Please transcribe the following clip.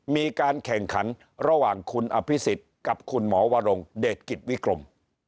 มีการแข่งขันระหว่างคุณอภิษฎกับคุณหมอวรงเดชกิจวิกรม